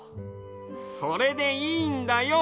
それでいいんだよ。